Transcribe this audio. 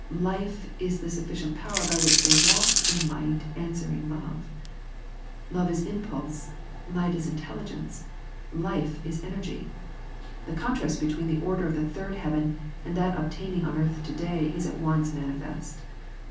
Life is the sufficient power by which they walk in light answering love. Love is impulse. Light is intel ligence. Life is energy. The contrast between the order of the third heaven and that obtaining on earth to day is at once manifest.